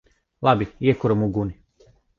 Labi. Iekuram uguni!